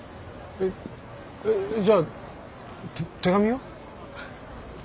えっじゃあ手紙は？